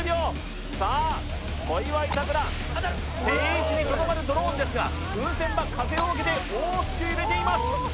定位置にとどまるドローンですが、風船は風を受けて大きく揺れています。